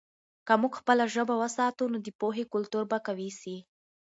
که موږ خپله ژبه وساتو، نو د پوهې کلتور به قوي سي.